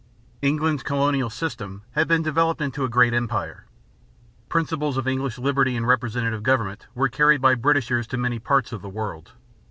England's colonial system had been developed into a great empire. Principles of English liberty and representative government were carried by Britishers to many parts of the world.